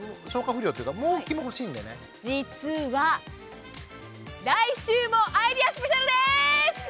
実は来週もアイデアスペシャルです！